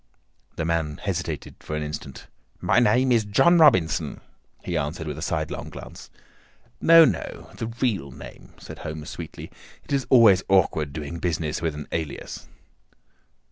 The man hesitated for an instant. "My name is John Robinson," he answered with a sidelong glance. "No, no; the real name," said Holmes sweetly. "It is always awkward doing business with an alias."